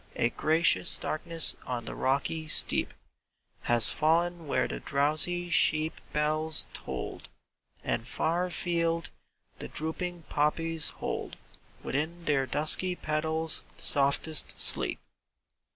A gracious darkness on the rocky steep Has fallen where the drowsy sheep bells tolled, And far afield the drooping poppies hold Within their dusky petals softest sleep.